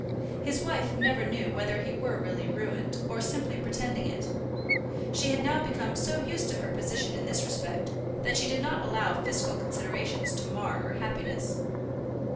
His wife never knew whether he were really ruined, or simply pretending it. She had now become so used to her position in this respect, that she did not allow fiscal considerations to mar her happiness.